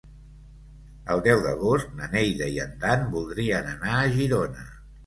El deu d'agost na Neida i en Dan voldrien anar a Girona.